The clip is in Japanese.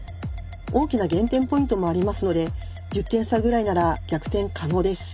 大きな減点ポイントもありますので１０点差ぐらいなら逆転可能です。